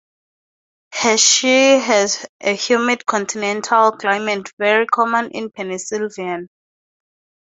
Hershey has a humid continental climate, very common in Pennsylvania.